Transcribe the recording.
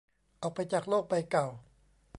ออกไปจากโลกใบเก่า